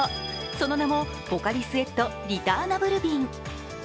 その名も、ポカリスエットリターナブル瓶。